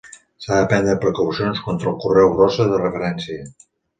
S'han de prendre precaucions contra el correu brossa de referència.